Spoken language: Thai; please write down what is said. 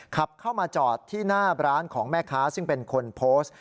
ขับเข้ามาจอดที่หน้าร้านของแม่ค้าซึ่งเป็นคนโพสต์